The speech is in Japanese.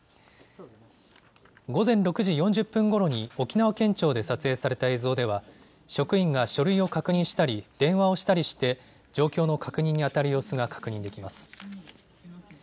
午前６時４０分ごろに沖縄県庁で撮影された映像では職員が書類を確認したり電話をしたりして状況の確認にあたる様子が確認できます。